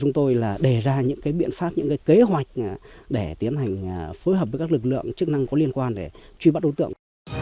chúng tôi là đề ra những biện pháp những kế hoạch để tiến hành phối hợp với các lực lượng chức năng có liên quan để truy bắt đối tượng